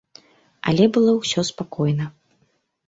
Але было ўсё спакойна.